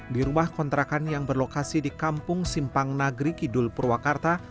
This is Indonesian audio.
di rumah kontrakan yang berlokasi di kampung simpang nagri kidul purwakarta